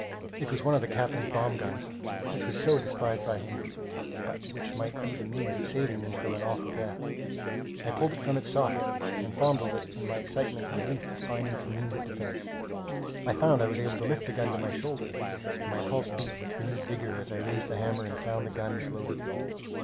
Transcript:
It was one of the captain's bomb guns, which was so despised by him, but which might be the means of saving me from an awful death. I pulled it from its socket, and fondled it in my excitement and relief at finding some means of defence. I found I was able to lift the gun to my shoulder, and my pulse beat with renewed vigor as I raised the hammer and found the gun was loaded.